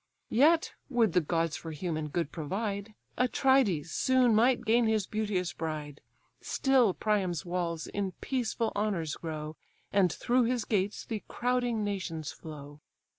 Yet, would the gods for human good provide, Atrides soon might gain his beauteous bride, Still Priam's walls in peaceful honours grow, And through his gates the crowding nations flow."